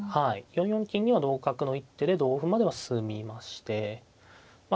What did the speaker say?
４四金には同角の一手で同歩までは進みましてまあ